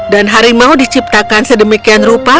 dan harimau diciptakan sedemikian rupa